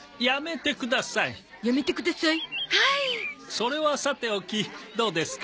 それはさておきどうですか？